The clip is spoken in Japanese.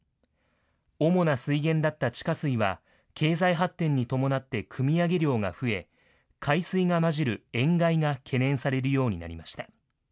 主な水源だった地下水は、経済発展に伴ってくみ上げ量が増え、海水が混じる塩害が懸念されるようになりました。